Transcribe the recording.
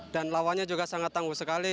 dan lawannya juga sangat tangguh sekali